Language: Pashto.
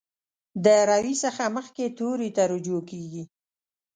د روي څخه مخکې توري ته رجوع کیږي.